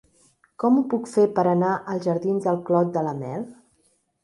Com ho puc fer per anar als jardins del Clot de la Mel?